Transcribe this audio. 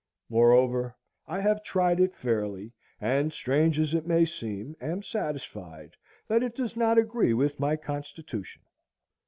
Moreover, I have tried it fairly, and, strange as it may seem, am satisfied that it does not agree with my constitution.